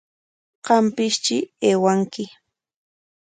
Qampistri aywanki.